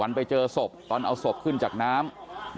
ไปเจอศพตอนเอาศพขึ้นจากน้ำ